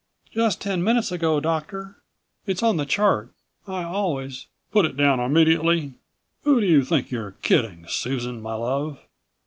"Just ten minutes ago, Doctor. It's on the chart. I always " "Put it down immediately? Who do you think you're kidding, Susan, my love?